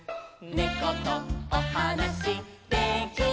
「ねことおはなしできる」